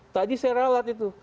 tadi saya ralat itu